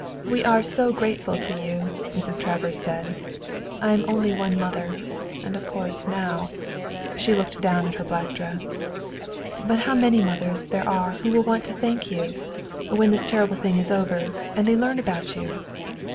"We are so grateful to you," Mrs. Travers said. "I am only one mother, and of course now " She looked down at her black dress. "But how many others there are who will want to thank you, when this terrible thing is over and they learn about you!"